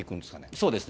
そうですね。